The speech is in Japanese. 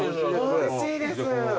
おいしいです。